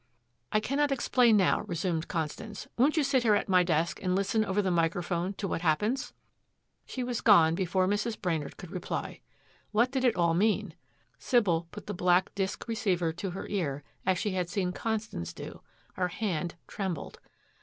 "I cannot explain now," resumed Constance. "Won't you sit here at my desk and listen over the microphone to what happens!" She was gone before Mrs. Brainard could reply. What did it all mean? Sybil put the black disc receiver to her ear as she had seen Constance do. Her hand trembled.